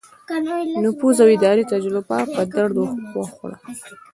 نفوذ او اداري تجربه په درد وخوړه.